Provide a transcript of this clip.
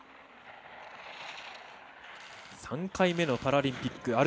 ３回目のパラリンピック